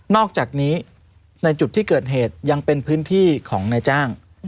อกจากนี้ในจุดที่เกิดเหตุยังเป็นพื้นที่ของนายจ้าง